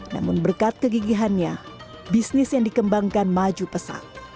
namun berkat kegigihannya bisnis yang dikembangkan maju pesat